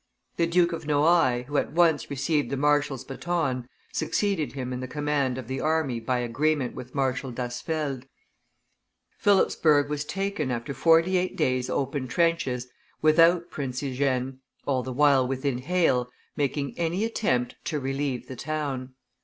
The Duke of Noailles, who at once received the marshal's baton, succeeded him in the command of the army by agreement with Marshal d'Asfeldt. Philipsburg was taken after forty eight days' open trenches, without Prince Eugene, all the while within hail, making any attempt to relieve the town.